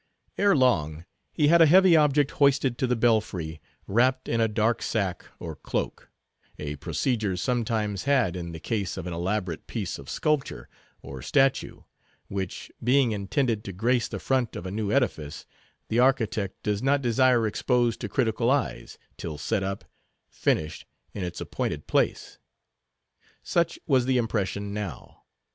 Ere long he had a heavy object hoisted to the belfry, wrapped in a dark sack or cloak—a procedure sometimes had in the case of an elaborate piece of sculpture, or statue, which, being intended to grace the front of a new edifice, the architect does not desire exposed to critical eyes, till set up, finished, in its appointed place. Such was the impression now.